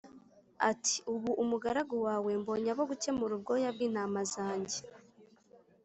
ati “Ubu umugaragu wawe mbonye abo gukemura ubwoya bw’intama zanjye.